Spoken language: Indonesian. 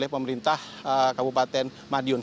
pemerintah kabupaten madiun